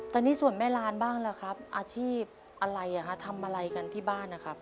ตอนนี้ส่วนแม่ลานบ้างล่ะครับอาชีพอะไรทำอะไรกันที่บ้านนะครับ